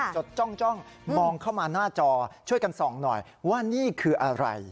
จดจ้องมองเข้ามาหน้าจอช่วยกันส่องหน่อยว่านี่คืออะไร